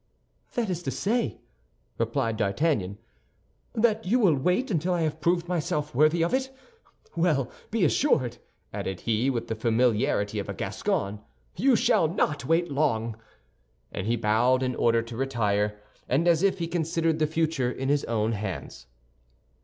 "That is to say," replied D'Artagnan, "that you will wait until I have proved myself worthy of it. Well, be assured," added he, with the familiarity of a Gascon, "you shall not wait long." And he bowed in order to retire, and as if he considered the future in his own hands.